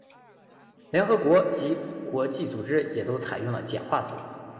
联合国及各国际组织也都采用了简化字。